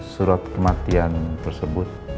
surat kematian tersebut